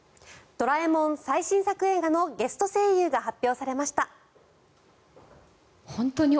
「ドラえもん」最新作映画のゲスト声優が発表されました。